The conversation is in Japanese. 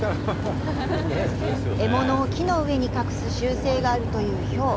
獲物を木の上に隠す習性があるというヒョウ。